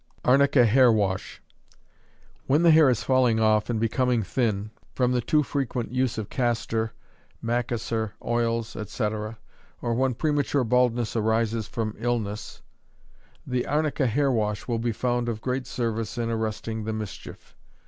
Arnica Hair Wash. When the hair is falling off and becoming thin, from the too frequent use of castor, Macassar oils, &c., or when premature baldness arises from illness, the arnica hair wash will be found of great service in arresting the mischief.